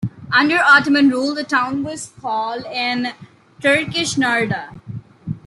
Under Ottoman rule, the town was called in Turkish "Narda".